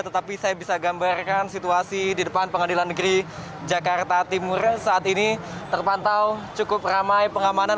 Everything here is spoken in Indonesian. tetapi saya bisa gambarkan situasi di depan pengadilan negeri jakarta timur saat ini terpantau cukup ramai pengamanan